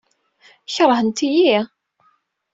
Keṛhent-iyi?